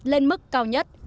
lên mức cao nhất